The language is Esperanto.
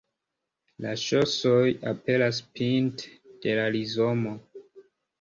La ŝosoj aperas pinte de la rizomo.